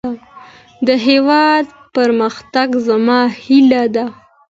د هيواد پرمختګ زما هيله ده.